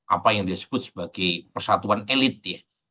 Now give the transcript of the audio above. apa yang disebut sebagai persatuan elit ya